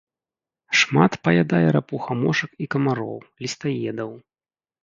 Шмат паядае рапуха мошак і камароў, лістаедаў.